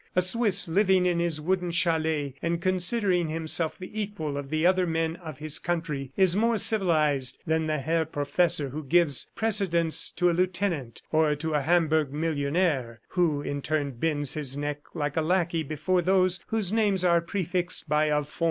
A Swiss living in his wooden chalet and considering himself the equal of the other men of his country, is more civilized than the Herr Professor who gives precedence to a lieutenant, or to a Hamburg millionaire who, in turn, bends his neck like a lackey before those whose names are prefixed by a von."